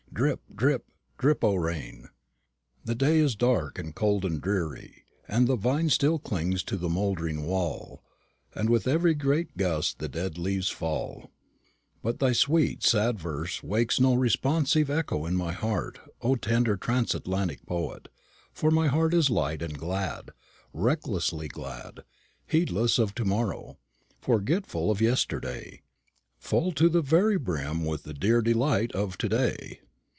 Drip, drip, drip, O rain! "The day is dark and cold and dreary, and the vine still clings to the mouldering wall; and with every gust the dead leaves fall:" but thy sweet sad verse wakes no responsive echo in my heart, O tender Transatlantic Poet, for my heart is light and glad recklessly glad heedless of to morrow forgetful of yesterday full to the very brim with the dear delight of to day.